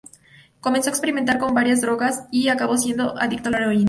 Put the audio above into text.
Comenzó a experimentar con varias drogas, y acabó siendo adicto a la heroína.